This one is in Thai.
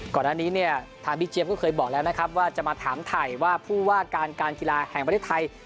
ก่อนหน้านี้เนี่ยทางพี่เจี๊ยบก็เคยบอกแล้วนะครับว่าจะมาถามถ่ายว่าผู้ว่าการการกีฬาแห่งประเทศไทย